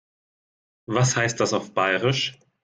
Was heißt das auf Bairisch?